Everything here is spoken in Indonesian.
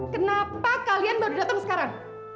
kenapa kalian baru datang sekarang